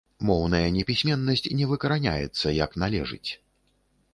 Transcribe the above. Моўная непісьменнасць не выкараняецца як належыць.